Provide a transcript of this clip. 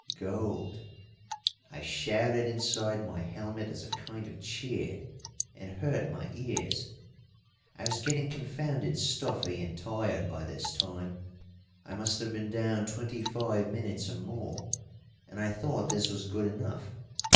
Gold! I shouted inside my helmet as a kind of cheer and hurt my ears. I was getting confounded stuffy and tired by this time I must have been down twenty five minutes or more and I thought this was good enough.